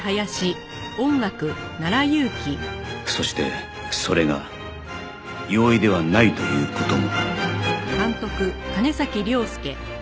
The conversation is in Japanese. そしてそれが容易ではないという事も